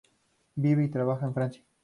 Vive y trabaja en Francia.